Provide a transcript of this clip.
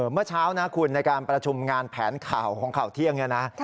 เมื่อเช้านะคุณในการประชุมงานแผนข่าวของข่าวเที่ยงเนี่ยนะ